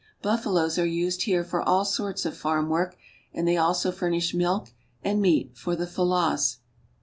Buf faloes are used here for all sorts of farm work, and they also furnish milk and meat for the Fellahs.